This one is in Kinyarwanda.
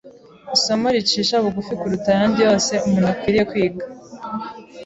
Isomo ricisha bugufi kuruta ayandi yose umuntu akwiriye kwiga